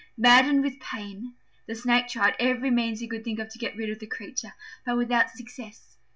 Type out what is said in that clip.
Maddened with pain the Snake tried every means he could think of to get rid of the creature, but without success.